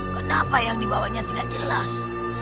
kenapa yang dibawanya tidak jelas